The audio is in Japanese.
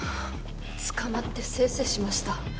捕まってせいせいしました。